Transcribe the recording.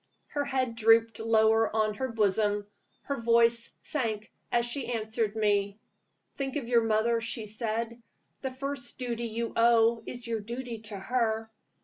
Her head drooped lower on her bosom; her voice sunk as she answered me. "Think of your mother," she said. "The first duty you owe is your duty to her.